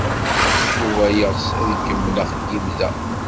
Yuba yeɣs ad ikemmel axeddim da.